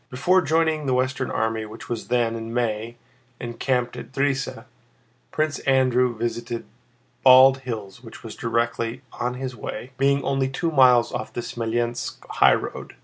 Before joining the Western Army which was then, in May, encamped at Drissa, Prince Andrew visited Bald Hills which was directly on his way, being only two miles off the Smolénsk highroad.